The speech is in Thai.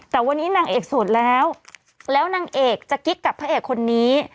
แต่วันนี้นางเอกโสดแล้วแล้วนางเอกจะกิ๊กกับพระเอกคนนี้